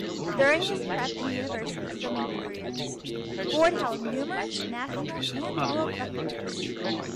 During his prep and university swimming careers, Ford held numerous national and world records.